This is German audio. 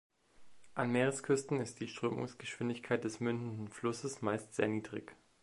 An Meeresküsten ist die Strömungsgeschwindigkeit des mündenden Flusses meist sehr niedrig.